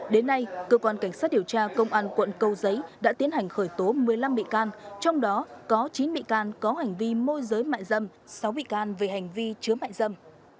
đến nay cơ quan cảnh sát điều tra công an quận câu giấy đã tiến hành khởi tố một mươi năm bị can trong đó có chín bị can có hành vi môi giới mại dâm sáu bị can về hành vi chứa mại dâm